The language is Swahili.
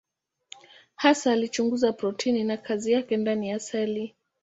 Hasa alichunguza protini na kazi yake ndani ya seli.